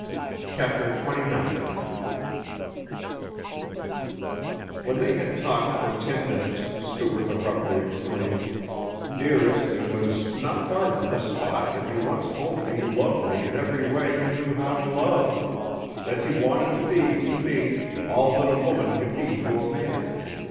CHAPTER XXIX When they had talked for ten minutes Stuart abruptly exclaimed, "Dearest, it was not far from this spot that you once told me you loved me in every way you knew how to love: that you wanted to be, to me, all that a woman could be to a man.